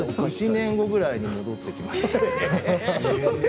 １年ぐらいで戻ってきました。